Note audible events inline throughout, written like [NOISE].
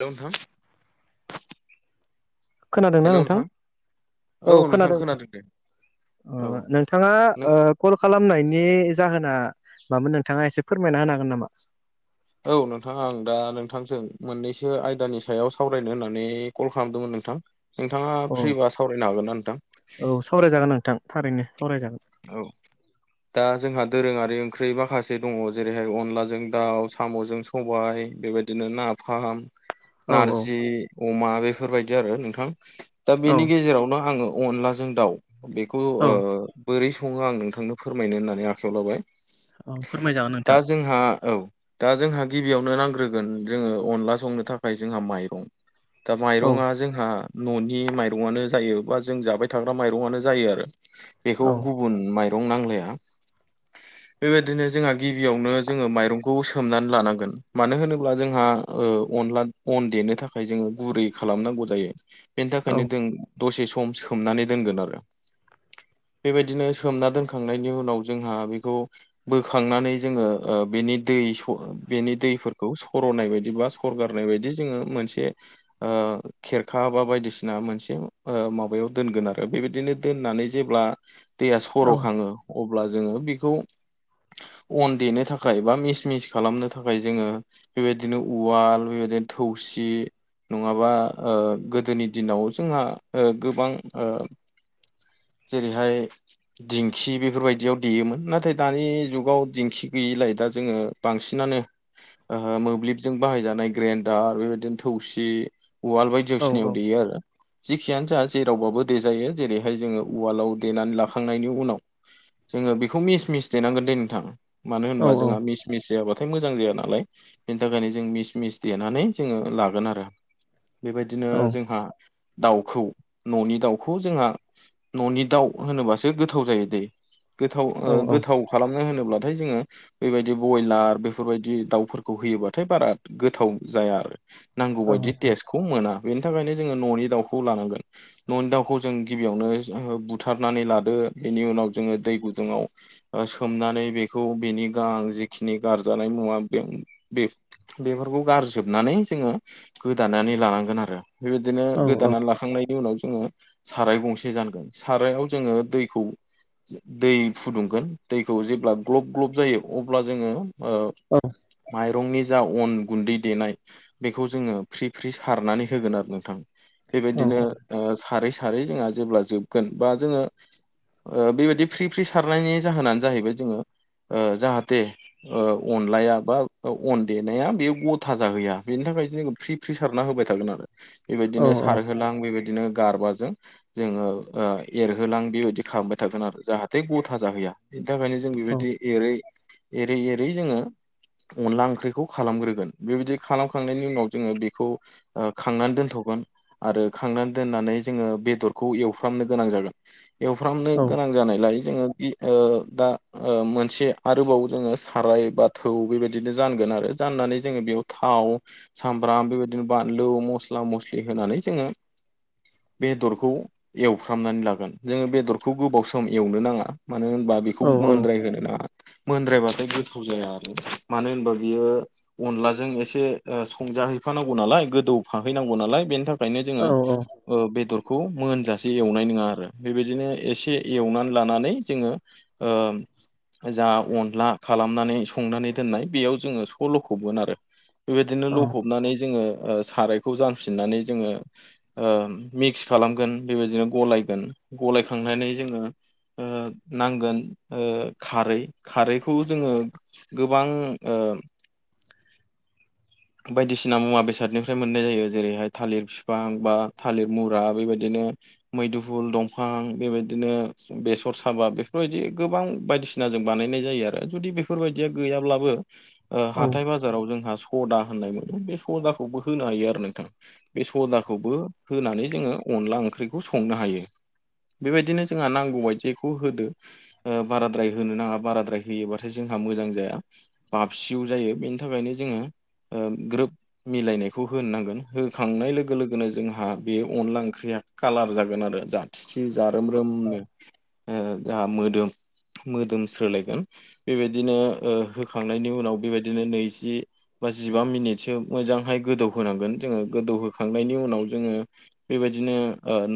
Hello नोंथां खोनादोंना नोंथां औ खोनादों अ औ नों थाङा नों ओ कल खालामनायनि जाहोना मामोन नोंथाङा एसे फोरमायना होनो हागोन नामा औ नोंथां आं दा नोंथांजों मोननैसो आयदानि सायाव सावरायनो होननानै कल खालामदोंमोन नोंथां नोंथाङा औ फ्रिबा सावरायनो हागोन ना नोंथां औ सावरायजागोन नोंथां थारैनो सावरायजागोन औ दा जोंहा दोरोङारि ओंख्रि माखासे दङ जेरैहाय अनलाजों दाउ साम'जों सबाइ बेबायदिनो नाफाम औ औ नारजि अमा बेफोरबायदि आरो नोंथां दा औ बिनि गेजेरावनो आङो अनला जों दाउ बेखौ औ आ बोरै सङो आं नोंथांनो फोरमायनो होननानै आखायाव लाबाय औ फोरमायजागोन नोंथां आ औ दा जोंहा गिबियावनो नांग्रोगोन जोङो अनला संनो थाखाय जोंहा माइरं दा औ माइरंआ जोंहा न'नि माइरंआनो जायो बा जों जाबाय थाग्रा माइरंआनो जायो आरो बेखौ औ गु बुन माइरं नांलाया बेबायदिनो जोंहा गिबियावनो जोङो माइरंखौ सोमनानै लानांगोन मानो होनोब्ला जोंहा ओ अनला अन देनो थाखाय जोङो गुरै खालामनांगौ जायो बेनि औ थाखायनो दों दसे सम सोमनानै दोनगोन आरो बेबायदिनो सोमना दोनखांनायनि उनाव जोंहा बेखौ बोखांनानै जोङो ओ बेनि दै स बेनि दैफोरखौ सर'नाय बायदिबा हरगारनाय बायदि जोङो मोनसे ओ खेरखा बा बायदिसिना मोनसे माबायाव दोनगोन आरो बेबायदिनो दोननानै जेब्ला दैया सर' औ खाङो अब्ला जोङो बिखौ अन देनो थाखाय बा मिस मिस खालामनो थाखाय जोङो बेबायदिनो उवाल बेबायदिनो थौसि नङाबा ओ गोदोनि दिनाव जोंहा ओ गोबां ओ हाय दिंखि बेफोरबायदियाव देयोमोन नाथाय दानि जुगाव दिंखि गैयिलाय दा जोङो बांसिनानो आह मोब्लिबजों बाहायजानाय ग्रेडार बेबायदिनो थौसि उवाल बाय औ जिवसिनाययाव देयो आरो जेखियानो जा जेरावबाबो देजायो जेरैहाय जोङो उवालाव देनानै लाखांनायनि उनाव जोङो बेखौ मिस मिस देनांगोन दे नोंथां मानो औ होनबा जोंहा मिस मिस जायाबाथाय मोजां जाया नालाय बिनि थाखायनो जों मिस मिस देनानै जोङो लागोन आरो बेबायदिनो औ जोंहा दाउखौ न'नि दाउखौ जोंहा न'नि दाउ होनोबासो गोथाव जायो दै गोथाव औ गोथाव खालामनो होनोब्लाथाय जोङो बेबायदि बयलार बेफोरबायदि दाउफोरखौ होयोबाथाय बारा गोथाव जाया आरो। नांगौ औ बायदि टेस्तखौ मोना बेनि थाखायनो जोङो न'नि दाउखौ लानांगोन न'नि दाउखौ जों गिबियावनो बुथारनानै लादो बेनि उनाव जोङो दै गुदुङाव सोमनानै बेखौ बेनि गाहां जिखिनि गारजानाय मुवा बे बे बेफोरखौ गारजोबनानै जोङो गोदानानै लानांगोन आरो। बेबायदिनो गोदाना लाखांनायनि उनाव जोङो साराय गंसे जानगोन। सारायाव जोङो दैखौ दै फुदुंगोन दैखौ जेब्ला ग्लब ग्लब जायो अब्ला जोङो ओ औ माइरंनि जा अन गुन्दै देनाय बेखौ जोङो फ्रि फ्रि सारनानै होगोन आरो नोंथां औ बेबायदिनो ओ सारै सारै जोंहा जेब्ला जोबगोन बा जोङो ओ बेबायदि फ्रि फ्रि सारनायनि जाहोनानो जाहैबाय जोङो जाहाथे ओ अनलाया बा अन देनाया बेयो गथा जाहैया बिनि थाखाय जोङो फ्रि फ्रि सारना होबाय थागोन आरो बेबायदिनो सारहोलां बेबायदिनो गारबाजों जोङो ओ एरहोलां बिबायदि खालामबाय थागोन आरो जाहाथे गथा जाहैया बिनि थाखायनो जों बेबायदि एरै एरै एरै जोङो अनला ओंख्रिखौ खालामग्रोगोन बेबायदि खालामखांनायनि उनाव जोङो बेखौ खांनानै दोनथ'गोन आरो खांनानै दोननानै जोङो बेदरखौ एव फ्रामनो गोनां जागोन। एवफ्रामनो गोनां जानायलाय जोङो ओ दा मोनसे आरोबाव जोङो साराय बा थौ बेबायदिनो जानगोन आरो। जाननानै जोङो बेयाव थाव सामब्राम बेबायदिनो बानलु मस्ला मस्लि होनानै जोङो बेदरखौ एवफ्रामनानै लागोन जोङो बेदरखौ गोबाव सम एवनो नाङा मानो होनबा बे बेखौ मोनद्राय औ होनो नाङा मोनद्रायबाथाय गोथाव जाया आरो मानो होनबा बियो अनलाजों एसे संजाहैफानांगौ नालाय गोदौफाहैनांगौ नालाय बेनि थाखाय नो जों बेखौ मोनजासे एवनाय नङा आरो बेबायदिनो एसे एवनानै लानानै जोङो जा अनला खालामनानै संनानै दोननाय बेयाव जोङो स ल'खबमोन आरो। बेबायदिनो लफबनानै जोङो ओ खारायखौ जानफिननानै जोङो ओ मिक्स खालामगोन। बेबायदिनो गलायगोन गलायखांनानै जोङो नांगोन खारै खारैखौ जोङो गोबां ओ बायदिसिना मुवा बेसादनिफ्राय मोननाय जायो जेरैहाय थालिर बिफां बा थालिर मुरा बेबायदिनो मैदुफुल दंफां बेबायदिनो बेसर साबा बेफोरबायदि गोबां बायदिसिना जों बानायनाय जायो आरो जुदि बेफोरबायदिया गैयाब्लाबो हाथाय बाजाराव जोंहा सदा होननाय मोनो, बे सदाखौबो होनो हायो आरो नोंथां। बे सदाखौबो होनानै जोङो अनला ओंख्रिखौ संनो हायो। बेबायदिनो जोंहा नांगौ बायदिखौ होदो। ओ बाराद्राय होनो नाङा बाराद्राय होयोबाथाय जोंहा मोजां जाया। बाबसिउ जायो, बेनि थाखायनो जोङो ग्रोब मिलायनायखौ होननांगोन होखांनाय लोगो लोगोनो जोंहा बे अनला ओंख्रिया कालार जागोन आरो जाथिथि जारोम रोमनो जाहा मोदोम मोदोम स्रोलायगोन बेबायदिनो होखांनायनि उनाव बेबायदिनो नैजि बा जिबा मिनिटसो मोजांहाय गोदौहांगोन जोङो। गोदौहोखांनायनि उनाव जोङो बेबायदिनो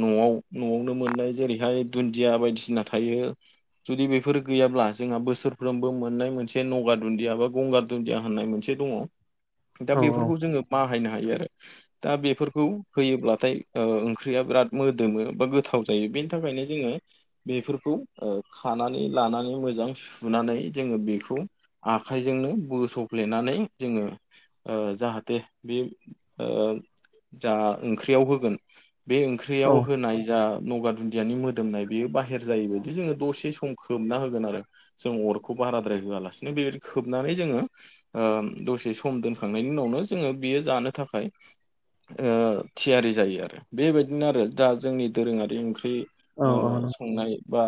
न'आव न'आवनो मोननाय जेरैहाय दुन्दिया बायदिसिना थायो जुदि बेफोर गैयाब्ला जोंहा बोसोरफ्रोमबो मोननाय मोनसे नगा दुन्दिया एबा गंगार दुन्दिया होननाय मोनसे दङ दा बेफोरखौ जोङो बाहायनो हायो आरो। दा बेफोरखौ होयोब्लाथाय ओ ओंख्रिया बिराद मोदोमो बा गोथाव जायो बेनि थाखायनो जोङो बेफोरखौ ओ खानानै लानानै मोजां सुनानै जोङो बेखौ आखाइजोंनो बोसफ्लेनानै जोङो ओ जाहाथे बे ओ जा ओंख्रियाव होगोन बे ओंख्रियाव औ होनाय जा नगा दुन्दियानि मोदोमनाय बेयो बाहेर जायो जोङो दसे सम खोमना होगोन आरो जों अरखौ बाराद्राय होआलासिनो बेबायदि खोबनानै जोङो ओ दसे सम दोनखांनायनि उनावनो जोङो बेयो जानो थाखाय ओ थियारि जायो आरो बेबायदिनो आरो दा जोंनि दोरोङारि ओंख्रि संनाय बा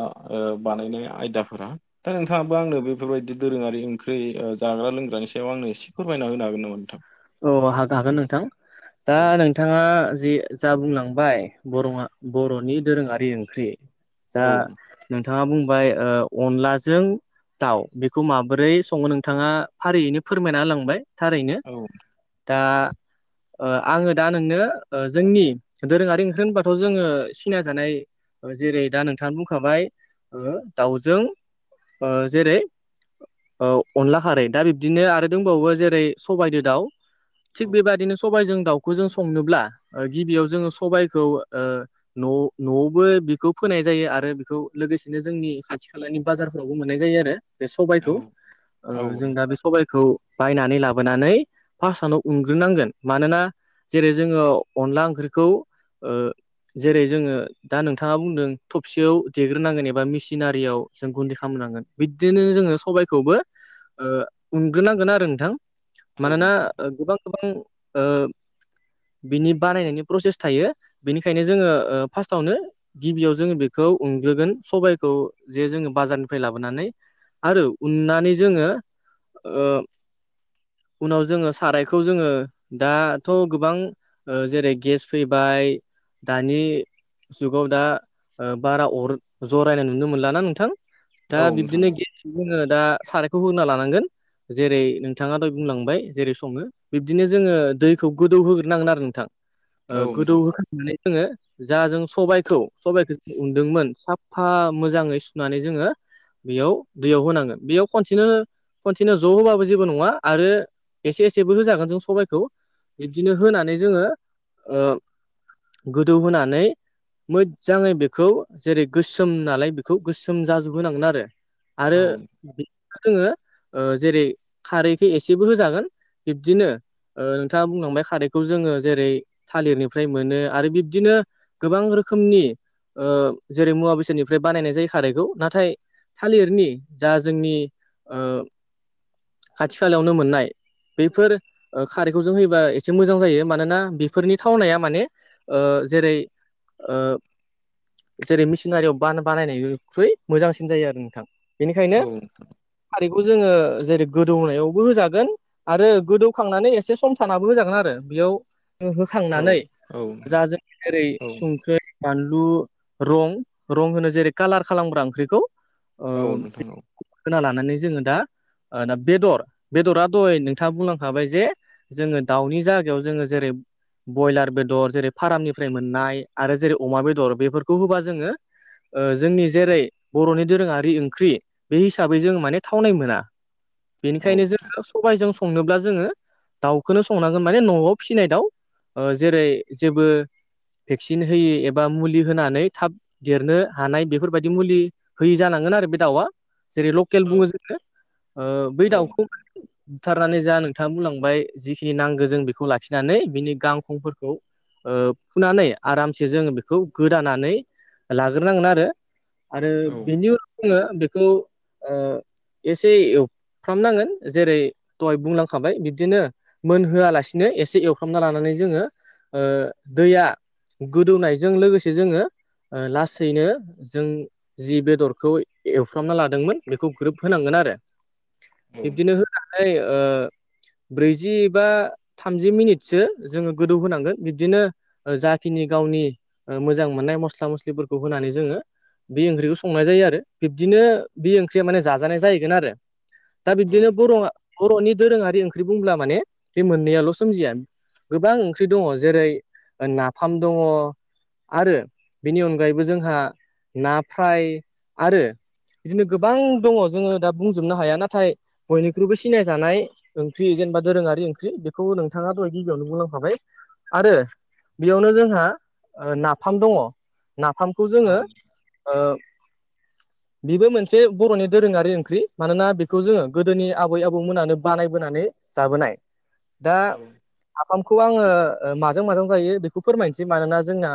बानायनाय आयदाफोरा दा नोंथाङाबो आंनो बेफोरबायाददि दोरोङारि ओंख्रि जाग्रा लोंग्रानि सायाव आंनो एसे फोरमायना होनो हागोन नामा नोंथां? औ हागोन हागोन नोंथां। दा औ नों बिथाङा जे जा बुंलांबाय बर' बर'नि दोरोङारि ओंख्रि जा औ नोंथाङा बुंबाय ओ अनलाजों दाउ, बेखौ माबोरै सङो नोंथाङा फारियैनो फोरमायना होलांबाय थारैनो। औ दा आङो दा नोंनो जोंनि दोरोङारि ओंख्रि होनबाथ' जोङो सिनाय जानाय जेरै दा नोंथाङा बुंखाबाय ओ दाउजों ओ जेरै औ अनला खारै दा बिब्दिनो आरो दंबावो जेरै सबायदो दाउ थिग औ बेबायदिनो सबायजों दाउ खौ जों संनोब्ला गिबियाव जोङो सबायखौ ओ न' न'आवबो बेखौ फोनाय जायो आरो बेखौ लोगोसेनो जोंनि खाथि खालानि बाजारफोरावबो मोननाय जायो आरो बे सबायखौ औ ओ औ जों दा बे सबायखौ बायनानै लाबो लाबोनानै फार्टनो उनग्रोनांगोन मानोना जेरै जोङो अनला ओंख्रिखौ ओ जेरै जोङो दा नोंथाङा बुंदों थबसेयाव देग्रोनांगोन एबा मिसिनारियाव जों गुन्दै खालामनांगोन बिदिनो जोङो सबायाइखौबो ओ उनग्रोनांगोन आरो नोंथां मानोना नोंथां ओ गोबां गोबां ओ बिनि बानायनायनि प्रसेस थायो बेनिखायनो जोङो ओ फार्स्टावनो गिबियाव जोङो बेखौ उनग्रोगोन सबबायखौ जे जोङो बाजारनिफ्राय लाबोनानै आरो उननानै जोङो ओ उनाव जोङो सारायखौ जोङो दाथ' गोबां ओ जेरै गेस फैबाय दानि जुगाव दा ओ बारा अर जरायनाय नुनो मोनलााना नोंथां दा औ नोंथां बिब्दिनो जोङो दा सारायखौ होना लानांगोन जेरै नोंथाङा बुंलांबाय जेरै सङो बिब्दिनो जोङो दैखौ गोदौ होग्रोनांगोन आरो नोंथां औ ओ गोदौ नोंथां होखांनानै जोङो जा जों सबाइखौ सबाइखौ जों उन्दोंमोन साफा मोजाङै सुनानै जोङो बेयाव दैयाव होनांगोन बेयाव खनसेनो खनसेनो ज' होबाबो जेबो नङा आरो एसे एसेबो होजागोन जों सबायखौ बिदिनो होनानै जोङो ओ गोदौ होनानै मोजाङै बेखौ जेरै गोसोम नालाय बेखौ गोसोम जाजोबहोनांगोन आरो आरो जोङो ओ जेरै खारै एसे एसेबो होजागोन बिब्दिनो ओ नोंथाङा बुंलांबाय खारैखौ जोङो जेरै थालिरनिफ्राय मोनो आरो बिब्दिनो गोबां रोखोमनि ओ जेरै मुवा बेसादनिफ्राय बानायनाय जायो खारैखौ नाथाय थालिरनि जा जोंनि ओ खाथि खालायावनो मोननाय बेफोर खारैखौ जों होयोबा एसे मोजां जायो मानोना बेफोरनि थावनाया माने ओ जेरै ओ जेरै मिसिनारियाव बान-बानायनायनिख्रुइ मोजांसिन जायो आरो नोंथां। औ बेनिखायनो खारैखौ जोंङो जेरै गोदौनायावबो होजागोन आरो गोदौखांनानै एसे सम थानाबो होजागोन आरो बेयाव औ होखांनानै जा जों जेरै संख्रै बानलु रं रं होनो जेरै कालार खालामग्रा ओंख्रिखौ ओ औ नोंथां औ होना लानानै जोङो दा ओ ना बेदर बेदरा दह नोंथाङा बुंलांखाबाय जे जोङो दाउनि जागायाव जोङो जेरै ब्रयलार बेदर जेरै फारामनिफ्राय मोननाय आरो जेरै अमा बेदर बेफोरखौ होबा जोङो ओ जोंनि जेरै बर'नि दोरोङारि ओंख्रि बे हिसाबै जों माने थावनाय मोना औ नोंथां औ बेनिखायनो जोङो सबायजों संनोब्ला जोङो दाउखौनो संनांगोन माने न'आव फिसिनाय दाउ जेरै जेबो भेक्सिन होयो एबा मुलि होनानै थाब देरनो हानाय बेफोरबायदि मुलि होयि जानांगोन आरो बे दाउआ जेरै लकेल औ बुङो जोंङो। ओ बै दाउखौ [INAUDIBLE] बुथारनानै जा नोंथाङा बुंलांबाय जिखिनि नांगौ जों बेखौ लाखिनानै बिनि गांखंफोरखौ ओ फुनानै आरामसे जोंङो बेखौ गोदानानै लाग्रोनांगोन आरो आरो औ बेनि उनाव जोंङो बेखौ ओ एसे एव फ्रामनांगोन जेरै दहाय बुंलांखाबाय बिबदिनो मोनहोआलासिनो एसे एवफ्रामना लानानै जोंङो ओ दैया गोदौनायजों लोगोसे जोंङो लासैनो जों जि बेदरखौ एवफ्रामना लादोंमोन बेखौ ग्रोब होनांगोन आरो। बिब्दिनो नोंथां होनानै ओ ब्रैजि बा थामजि मिनिटसो जोंङो गोदौ होनांगोन बिब्दिनो जाखिनि गावनि मोजां मोननाय मस्ला मस्लिफोरखौ होनानै जोंङो बे ओंख्रिखौ संनाय जायो आरो बिब्दिनो बे ओंख्रिया माने जाजानाय जाहैगोन आरो। दा औ बिब्दिनो बर' बर'नि दोरोङारि ओंख्रि बुंब्ला माने बे मोननैयाल' सोमजिया गोबां ओंख्रि दङ जेरै नाफाम दङ आरो बेनि अनगायैबो जोंहा ना फ्राय आरो बिदिनो गोबां दङ जोंङो दा बुंजोबनो हाया नाथाय बयनिख्रुइबो सिनायजानाय ओंख्रि जेनेबा दोरोङारि ओंख्रि बेखौ नोंथाङा दहाय गिबियावनो बुंलांखाबाय। आरो बेयावनो जोंहा नाफाम दङ नाफाम खौ जोंङो ओ बेबो मोनसे बर'नि दोरोङारि ओंख्रि मानोना बेखौ जोंङो गोदोनि आबै आबौमोनानो बानायबोनानै जाबोनाय। दा नाफामखौ आङो माजों माजों जायो बेखौ फोरमायनोसै मानोना जोंना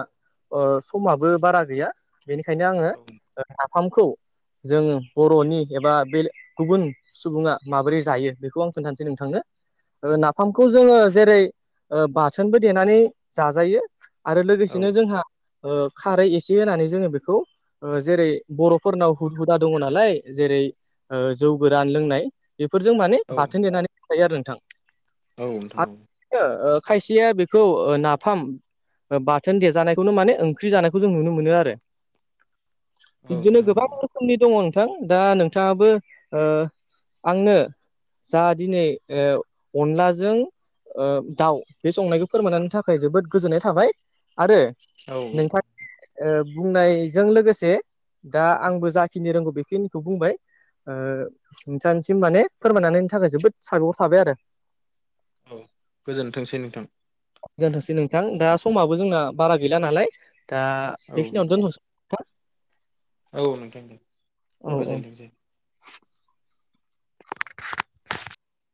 ओ समाबो बारा गैया बेनिखायनो आङो नाफामखौ जों बर'नि एबा बे गुबुन सुबुङा माबोरै जायो बेखौ आं खोन्थानोसै नोंथांनो नाफामखौ जोंङो जेरै बाथोनबो देनानै जाजायो। आरो औ लोगोसेनो जोंहा ओ खारै एसे होनानै जोंङो बेखौ जेरै बर'फोरनाव हुद हुदा दङ नालाय जेरै ओ जौ गोरान लोंनाय बेफोरजों औ माने बाथोन नोंथां देनानै जायो आरो नोंथां औ नोंथां औ ओ खायसेया बेखौ ओ नाफाम बाथोन देजानायखौनो माने ओंख्रि जानायखौ जों नुनो मोनो आरो। औ बिबदिनो गोबां रोखोमनि दङ' नोंथां दा नोंथाङाबो ओ आंनो जा दिनै ओ अनलाजों ओ दाउ बे संनायखौ फोरमायनायनि थाखाय जोबोद गोजोननाय थाबाय आरो नोंथां ओ बुंनायजों लोगोसे दा आंबो जाखिनि रोंगौ बेखिनिखौ बुंबाय ओ नोंथांसिम माने फोरमायनानैनि थाखाय जोबोद साबायखर थाबाय आरो। औ गोजोनथोंसै नोंथां। जोनथोंसै नोंथां दा समाबो जोंना बारा गैला नालाय दा औ नोंथां बेखिनियावनो दोनथ' औ नोंथां दे औ औ गोजोनथोंसै।